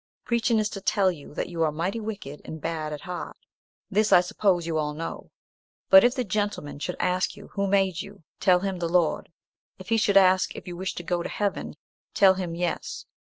Preaching is to tell you that you are mighty wicked and bad at heart. This, I suppose, you all know. But if the gentleman should ask you who made you, tell him the Lord; if he ask if you wish to go to heaven, tell him yes.